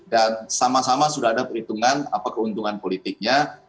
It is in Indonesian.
dan sama sama sudah ada perhitungan apa keuntungan politiknya